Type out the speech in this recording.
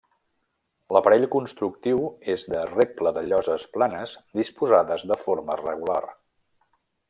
L'aparell constructiu és de reble de lloses planes, disposades de forma regular.